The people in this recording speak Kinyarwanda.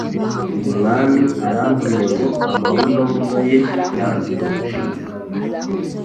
Umwami arantumye ngo amabunobuno ye yanze gushibuka